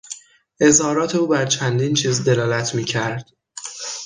اظهارات او بر چندین چیز دلالت میکرد.